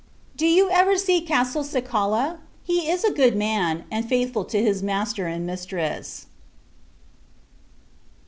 Do you ever see Castelcicala? He is a good man, and faithful to his master and mistress.